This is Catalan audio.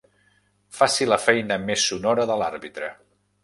Faci la feina més sonora de l'àrbitre.